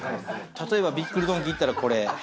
例えばびっくりドンキー行ったらこれ。